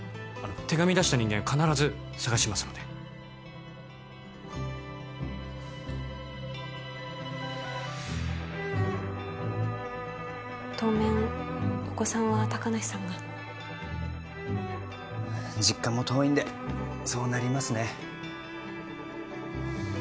手紙出した人間必ず捜しますので当面お子さんは高梨さんが？実家も遠いんでそうなりますね